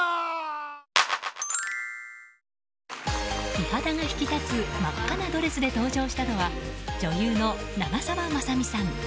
美肌が引き立つ真っ赤なドレスで登場したのは女優の長澤まさみさん。